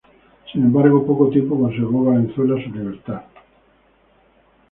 Sin embargo poco tiempo conservó Valenzuela su libertad.